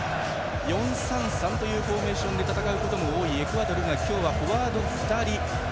４−３−３というフォーメーションで戦うことも多いエクアドルが今日はフォワード２人。